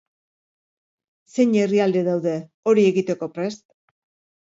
Zein herrialde daude hori egiteko prest?